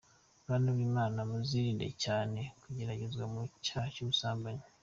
Bantu b’Imana muzirinde cyane kugeragezwa mu cyaha cy’ubusambanyi.